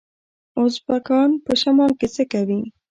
ازبکان په شمال کې څه کوي؟